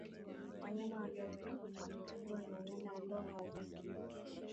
Wanyama walioathirika watengwe na wanyama ambao hawajaathirika